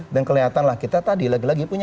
dan kelihatanlah kita tadi lagi lagi punya